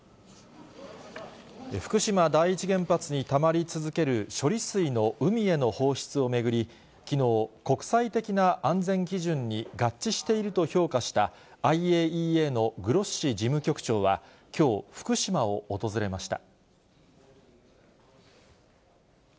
福島第一原発にたまり続ける処理水の海への放出を巡り、きのう、国際的な安全基準に合致していると評価した、ＩＡＥＡのグロッシ事務局長は、きょう、福島を訪れました。